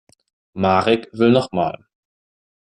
Marek will noch mal.